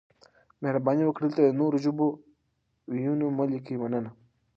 مهرباني وکړئ دلته د نورو ژبو وييونه مه لیکئ مننه